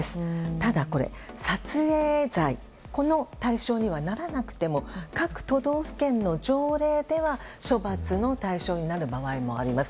ただ、これ撮影罪の対象にはならなくても各都道府県の条例では処罰の対象になる場合もあります。